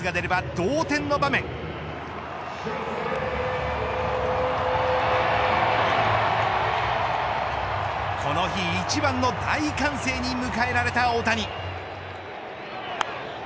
８回この日一番の大歓声に迎えられた大谷。